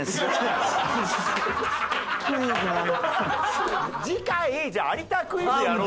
あと次回じゃあ有田クイズやろうね。